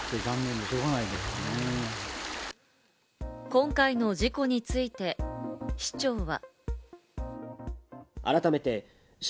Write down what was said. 今回の事故について、市長は。